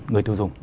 người thu dùng